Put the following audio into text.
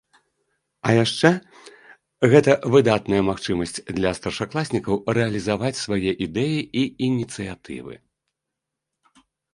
А яшчэ гэта выдатная магчымасць для старшакласнікаў рэалізаваць свае ідэі і ініцыятывы.